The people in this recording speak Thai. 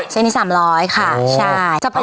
เส้นนี้๓๐๐ค่ะใช่